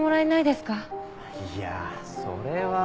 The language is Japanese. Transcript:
いやそれは。